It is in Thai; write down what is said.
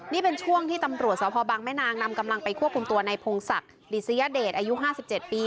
นี่เป็นช่วงที่ตำรวจสพบังแม่นางนำกำลังไปควบคุมตัวในพงศักดิ์ดิสยเดชอายุ๕๗ปี